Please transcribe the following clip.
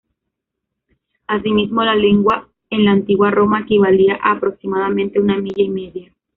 Asimismo, la legua en la antigua Roma equivalía a aproximadamente una milla y media.